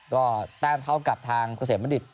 ก็แท้มเท่ากับทางเกษตรมณิด